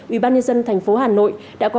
ubnd tp hà nội đã có